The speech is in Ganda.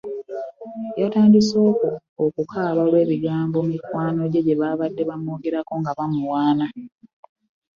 Yatandise okukaaba olw'ebigambo mikwano gye bye baabadde bamwogerako nga bamuwaana